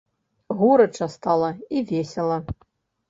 Горача стала і весела.